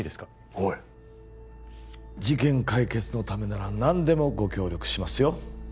おい事件解決のためなら何でもご協力しますよ